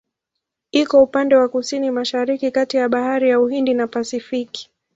Iko upande wa Kusini-Mashariki kati ya Bahari ya Uhindi na Pasifiki.